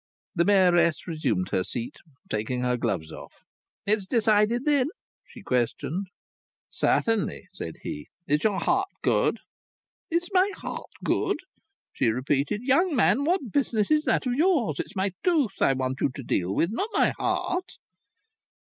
The Mayoress resumed her seat, taking her gloves off. "It's decided then?" she questioned. "Certainly," said he. "Is your heart good?" "Is my heart good?" she repeated. "Young man, what business is that of yours? It's my tooth I want you to deal with, not my heart."